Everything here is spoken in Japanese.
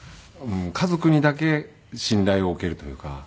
家族にだけ信頼を置けるというか。